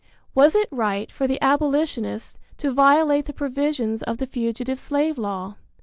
Was it right for the Abolitionists to violate the provisions of the fugitive slave law?